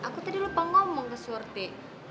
aku tadi lupa ngomong ke surti